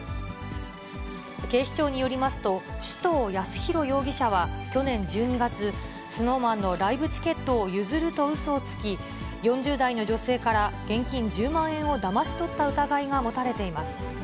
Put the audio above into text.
警視庁によりますと、首藤康弘容疑者は去年１２月、ＳｎｏｗＭａｎのライブチケットを譲るとうそをつき、４０代の女性から現金１０万円をだまし取った疑いが持たれています。